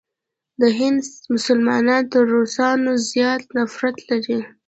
د هند مسلمانان تر روسانو زیات نفرت لري.